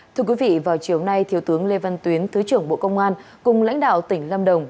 thưa quý vị vào chiều nay thiếu tướng lê văn tuyến thứ trưởng bộ công an cùng lãnh đạo tỉnh lâm đồng